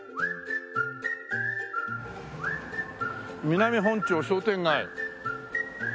「南本町商店街」